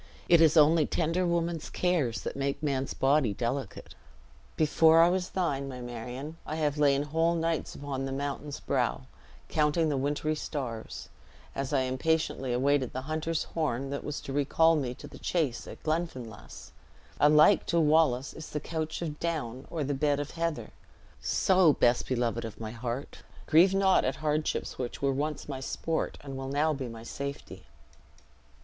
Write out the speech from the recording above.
It is only tender woman's cares that make man's body delicate. Before I was thine, my Marion, I have lain whole nights upon the mountain's brow, counting the wintery stars, as I impatiently awaited the hunter's horn that was to recall me to the chase in Glenfinlass. Alike to Wallace is the couch of down or the bed of heather; so, best beloved of my heart, grieve not at hardships which were once my sport, and will now be my safety."